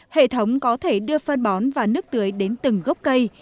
hệ thống có thể đưa phân bón và nước tưới đến từng gốc cây